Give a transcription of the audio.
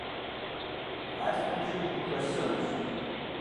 Гъатхэм жыг пхухэссэнущ.